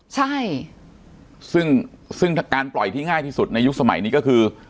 ใช่ซึ่งซึ่งการปล่อยที่ง่ายที่สุดในยุคสมัยนี้ก็คือ